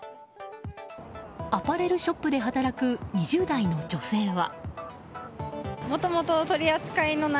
アパレルショップで働く２０代の女性は。